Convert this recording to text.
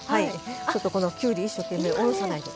ちょっと、きゅうりを一生懸命下ろさないと。